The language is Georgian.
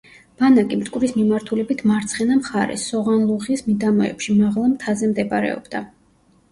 ბანაკი მტკვრის მიმართულებით მარცხენა მხარეს, სოღანლუღის მიდამოებში, მაღლა მთაზე მდებარეობდა.